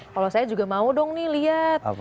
kalau saya juga mau dong nih lihat